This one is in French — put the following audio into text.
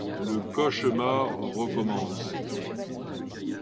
Le cauchemar recommence...